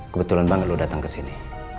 kebetulan banget lo datang ke sini